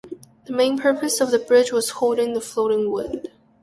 The main purpose of the bridge was holding the floating wood.